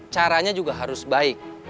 caranya juga harus baik